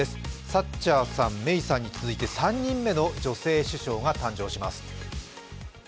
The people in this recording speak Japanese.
サッチャーさん、メイさんに続いて、３人目の女性首相が誕生します。